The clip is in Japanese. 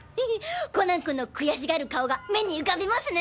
コナン君の悔しがる顔が目にうかびますね！